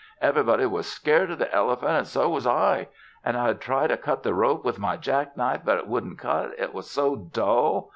Everybody was scared o' the elephant an' so was I. An' I'd try to cut the rope with my jack knife but it wouldn't cut it was so dull.